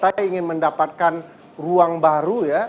dan partai ingin mendapatkan ruang baru ya